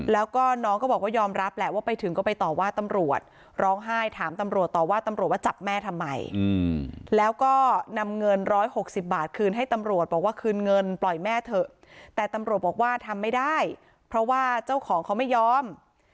แล้วก็น้องก็บอกว่ายอมรับแหละว่าไปถึงก็ไปต่อว่าตำรวจร้องไห้ถามตำรวจต่อว่าตำรวจว่าจับแม่ทำไมแล้วก็นำเงิน๑๖๐บาทคืนให้ตำรวจบอกว่าคืนเงินปล่อยแม่เถอะแต่ตำรวจบอกว่าทำไม่ได้เพราะว่าเจ้าของเขาไม่ยอม